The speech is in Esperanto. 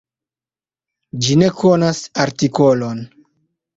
Ĝi ne konas artikolon.